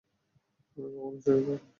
আমি কখন সুযোগ পাব?